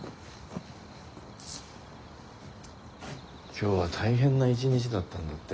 今日は大変な一日だったんだって？